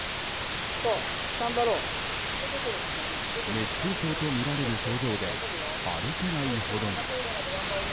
熱中症とみられる症状で歩けないほどに。